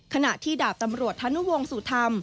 ขณะที่ดาบตำรวจธนุวงศูธรรม